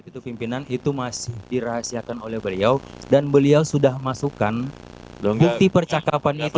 itu pimpinan itu masih dirahasiakan oleh beliau dan beliau sudah masukkan bukti percakapan itu